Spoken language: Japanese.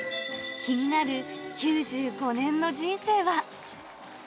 気になる９５年の人生は。